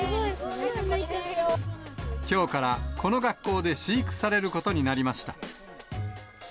きょうからこの学校で飼育されることになりました。